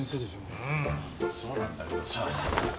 うんそうなんだけどさ。